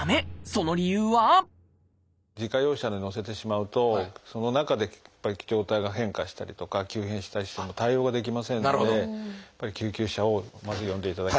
その理由は自家用車に乗せてしまうとその中で状態が変化したりとか急変したりしても対応ができませんのでやっぱり救急車をまず呼んでいただきたい。